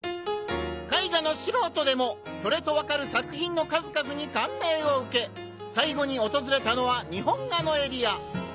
絵画の素人でもそれとわかる作品の数々に感銘を受け最後に訪れたのは日本画のエリア